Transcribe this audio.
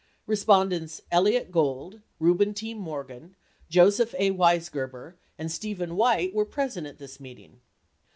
Respondents Elliot Gold, Reuben T. Morgan, Joseph A. Weisgerber, and Stephen White were present at this meet ing.